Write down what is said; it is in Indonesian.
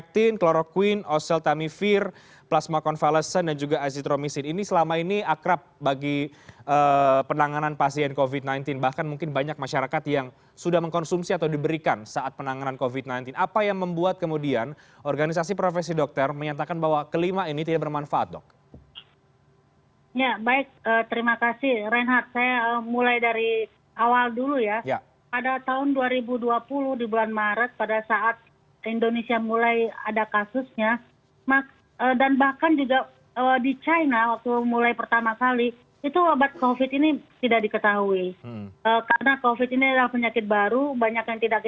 terima kasih renha saya mulai dari awal dulu ya